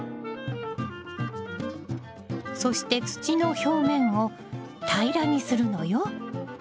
そして土の表面を平らにするのよ。